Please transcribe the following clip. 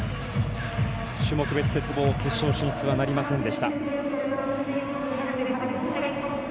種目別鉄棒決勝進出はなりませんでした。